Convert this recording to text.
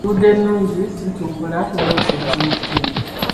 Enguudo ennungi zitumbula eby'obusuubuzi mu kitundu.